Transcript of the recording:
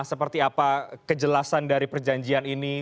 seperti apa kejelasan dari perjanjian ini